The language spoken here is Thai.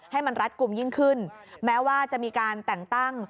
ให้มันรัดกลุ่มยิ่งขึ้นแม้ว่าจะมีการแต่งตั้ง